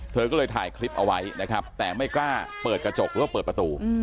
เธอก็เลยถ่ายคลิปเอาไว้แต่ไม่กล้าเปิดกระจกแล้วก็เปิดประตู